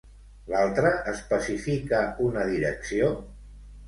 L'altre especifica una direcció?